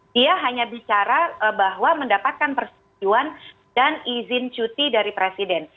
dia hanya bicara bahwa mendapatkan persetujuan dan izin cuti dari presiden